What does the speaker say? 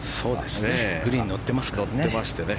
グリーンに乗ってますからね。